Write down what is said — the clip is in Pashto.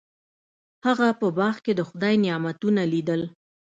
هغه په باغ کې د خدای نعمتونه لیدل.